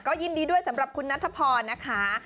ก็ยินดีด้วยสำหรับคุณนัทพรนะคะ